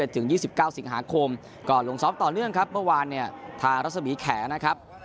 ถึง๒๙สิงหาคมก็ลงซ้อมต่อเนื่องครับเมื่อวานเนี่ยทางรัศมีแขนะครับ